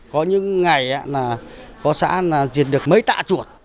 có những ngày là có xã diệt được mấy tạ chuột